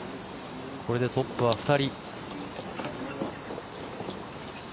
これでトップは２人。